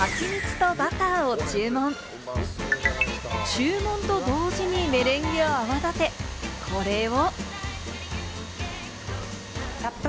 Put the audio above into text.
注文と同時にメレンゲを泡立て、これを。